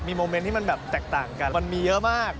โมเมนต์ที่มันแบบแตกต่างกันมันมีเยอะมาก